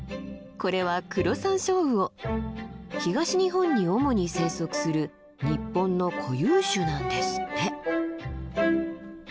これは東日本に主に生息する日本の固有種なんですって。